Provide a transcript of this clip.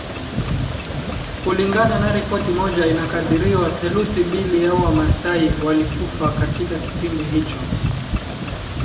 Kulingana na ripoti moja inakadiriwa theluthi mbili ya Wamaasai walikufa katika kipindi hicho